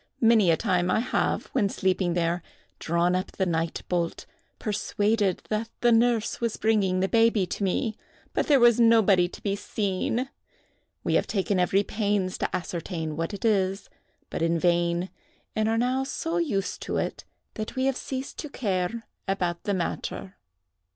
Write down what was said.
"Many a time I have, when sleeping there, drawn up the night bolt, persuaded that the nurse was bringing the baby to me; but there was nobody to be seen. We have taken every pains to ascertain what it is, but in vain; and are now so used to it, that we have ceased to care about the matter."